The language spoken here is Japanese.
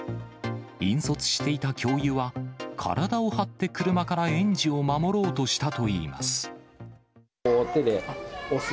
引率していた教諭は、体を張って車から園児を守ろうとしたといいます。